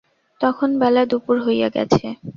তখন বেলা দুপুর হইয়া গেছে।